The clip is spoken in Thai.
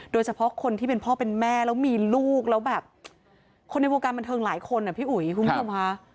โดยเฉพาะคนที่เป็นพ่อเป็นแม่แล้วมีลูกแล้วแบบคนในวงการบันเทิงหลายคนอ่ะพี่อุ๋ยคุณผู้ชมค่ะ